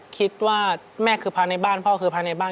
คิดว่าแม่คือพระในบ้านพ่อคือพระในบ้าน